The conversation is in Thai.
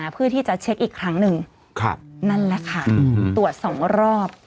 พอเช็กอีกครั้งหนึ่งนั่นแหละค่ะตรวจสองรอบ